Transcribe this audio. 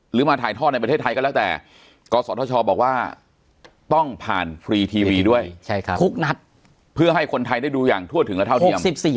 มาถ่ายท่อในประเทศไทยก็แล้วแต่กศธชบอกว่าต้องผ่านฟรีทีวีด้วยทุกนัดเพื่อให้คนไทยได้ดูอย่างทั่วถึงและเท่าเทียม